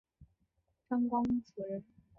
张光辅人。